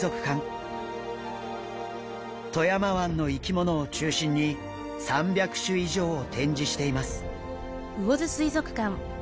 富山湾の生き物を中心に３００種以上を展示しています。